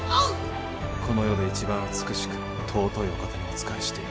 この世で一番美しく尊いお方にお仕えしている。